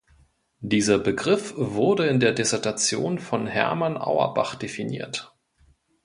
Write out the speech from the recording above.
Dieser Begriff wurde in der Dissertation von Herman Auerbach definiert.